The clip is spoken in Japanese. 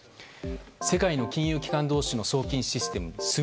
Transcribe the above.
世界の金融機関同士の送金システム